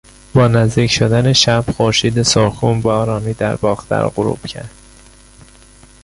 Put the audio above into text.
با نزدیک شدن شب خورشید سرخگون به آرامی در باختر غروب کرد.